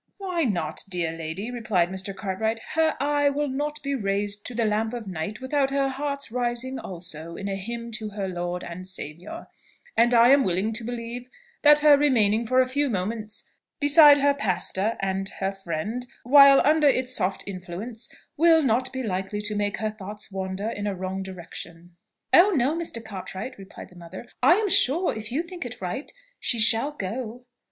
"Why not, dear lady?" replied Mr. Cartwright. "Her eye will not be raised to the lamp of night without her heart's rising also in a hymn to her Lord and Saviour; and I am willing to believe that her remaining for a few moments beside her pastor and her friend, while under its soft influence, will not be likely to make her thoughts wander in a wrong direction." "Oh no, Mr. Cartwright," replied the mother; "I am sure, if you think it right, she shall go."